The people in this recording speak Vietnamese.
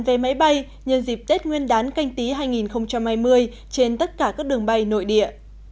về máy bay nhân dịp tết nguyên đán canh tí hai nghìn hai mươi trên tất cả các đường bay nội địa